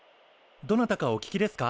どなたかお聞きですか？